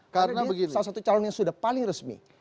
karena dia salah satu calon yang sudah paling resmi